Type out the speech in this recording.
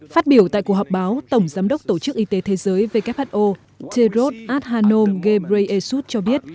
phát biểu tại cuộc họp báo tổng giám đốc tổ chức y tế thế giới who tedros adhanom ghebreyesus cho biết